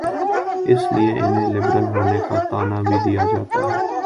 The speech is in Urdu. اسی لیے انہیں لبرل ہونے کا طعنہ بھی دیا جاتا ہے۔